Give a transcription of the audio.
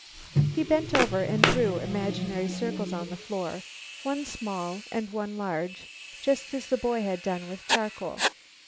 He bent over and drew imaginary circles on the floor, one small and one large, just as the boy had done with charcoal.